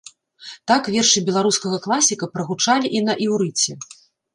Так вершы беларускага класіка прагучалі і на іўрыце.